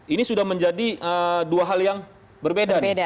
ini sudah menjadi dua hal yang berbeda nih